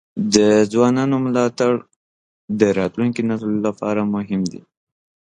د ځوانانو ملاتړ د راتلونکي نسل لپاره مهم دی.